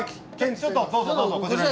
ちょっとどうぞどうぞこちらに。